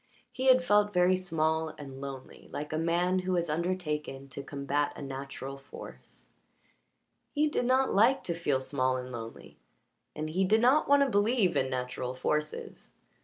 He had felt very small and lonely, like a man who has undertaken to combat a natural force; he did not like to feel small and lonely, and he did not want to believe in natural forces.